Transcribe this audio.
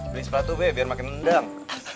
beli sepatu deh biar makin nendang